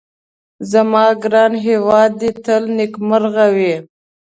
زما ګران هيواد دي تل نيکمرغه وي